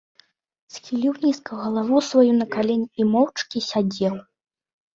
Схіліў нізка галаву сваю на калені і моўчкі сядзеў.